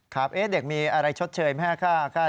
ครับเด็กมีอะไรชดเชยไหมครับ